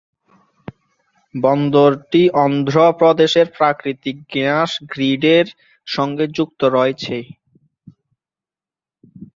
বন্দরটি অন্ধ্রপ্রদেশের প্রাকৃতিক গ্যাস গ্রিডের সঙ্গে যুক্ত রয়েছে।